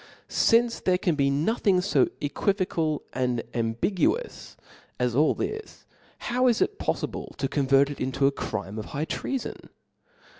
Since there can be no thing fo equivocal and ambiguous as all this ; how is it poflible to convert it into a crirne of high treafon